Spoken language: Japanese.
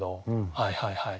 はいはいはい。